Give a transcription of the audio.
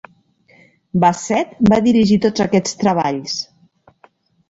Basset va dirigir tots aquests treballs.